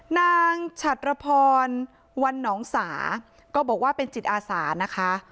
นางฉตระพรบวกว่าเป็นจิตอาสานะคะ